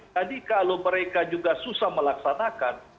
jadi kalau mereka juga susah melaksanakan